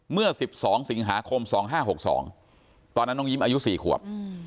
เมื่อ๑๒สิงหาคม๒๕๖๒ตอนนั้นน้องยิ้มอายุ๔ขวบ